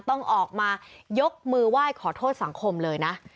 ต้องออกมายกมือไหว้ขอโทษสังคมเลยนะ